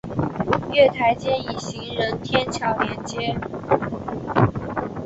月台间以行人天桥连接。